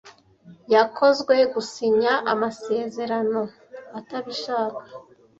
Yakozwe gusinya amasezerano atabishaka